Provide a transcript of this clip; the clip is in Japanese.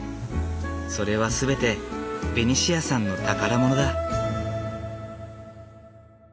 それは全てベニシアさんの宝物だ。